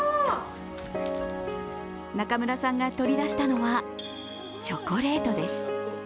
中村さんが取り出したのはチョコレートです。